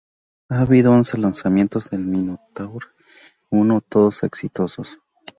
Ha habido once lanzamientos del Minotaur I, todos exitosos.